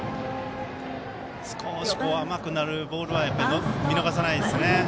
少し甘くなるボールは見逃さないですね。